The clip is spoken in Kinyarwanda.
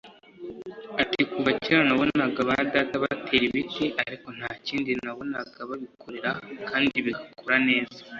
Ati “Kuva kera nabonaga ba data batera ibiti ariko nta kindi nabonaga babikorera kandi bigakura neza